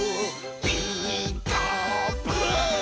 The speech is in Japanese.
「ピーカーブ！」